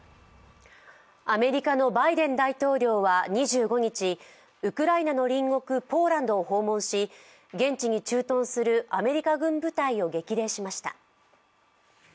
アメリカのバイデン大統領は２５日ウクライナの隣国ポーランドを訪問し、現地に駐屯するアメリカ軍部隊を激励しました。